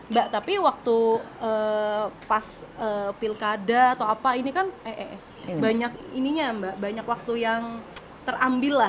mbak tapi waktu pas pilkada atau apa ini kan banyak ininya mbak banyak waktu yang terambil lah